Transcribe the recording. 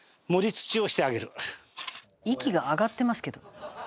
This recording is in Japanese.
「息が上がってますけど」